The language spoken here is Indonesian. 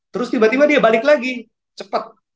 terus tiba tiba dia balik lagi cepat